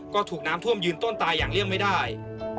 ก็ถูกน้ำท่วมยืนต้นตายอย่างเลี่ยงไม่ได้